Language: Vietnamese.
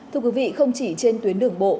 thưa quý vị không chỉ trên tuyến đường bộ